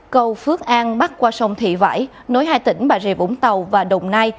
cầu phước an bắt qua sông thị vãi nối hai tỉnh bà rịa vũng tàu và đồng nai